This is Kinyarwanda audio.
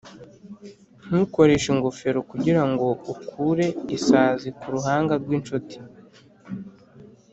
ntukoreshe ingofero kugirango ukure isazi kuruhanga rwinshuti